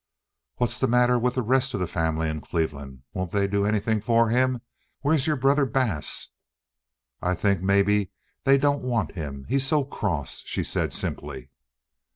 "What's the matter with the rest of the family in Cleveland? Won't they do anything for him? Where's your brother Bass?" "I think maybe they don't want him, he's so cross," she said simply.